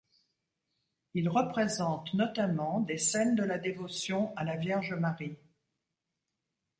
Ils représentent notamment des scènes de la dévotion à la Vierge Marie.